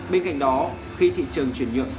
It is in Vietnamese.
bên cạnh đó khi thị trường chuyển nhượng